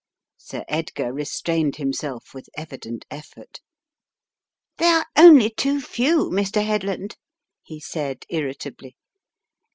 Sir Edgar restrained himself with evident effort. "They are only too few, Mr. Headland," he said irritably.